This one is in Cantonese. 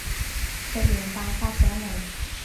食完飯發上嚟